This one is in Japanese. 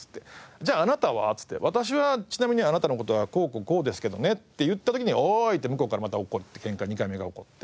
「じゃああなたは？」って言って「私はちなみにあなたの事はこうこうこうですけどね」って言った時には「おい！」って向こうからまた起こってケンカ２回目が起こって。